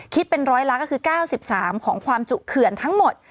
คิดเป็น๑๐๐ล้านก็คือ๙๓ของความจุเขื่อนทั้งหมด